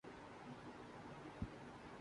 چھیڑنا ہی تو بس نہیں چھو بھی